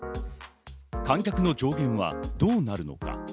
観客の上限はどうなるのか。